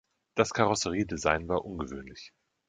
Das Karosseriedesign war ungewöhnlich.